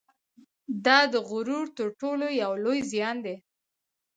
دا د غرور تر ټولو یو لوی زیان دی